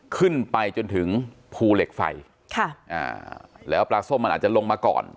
ขึ้นไปจนถึงภูเหล็กไฟค่ะอ่าแล้วปลาส้มมันอาจจะลงมาก่อน